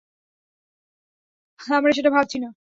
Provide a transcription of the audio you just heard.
আমরা সেটা ভাবছি না।